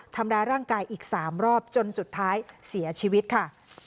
ทำร้ายร่างกายอีก๓รอบจนสุดท้ายเสียชีวิตค่ะ